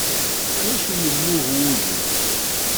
S wacu yemmug wudi?